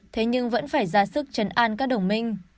thế nhưng vẫn phải ra sức chấn an các đồng minh